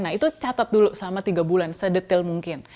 nah itu catat dulu selama tiga bulan sedetil mungkin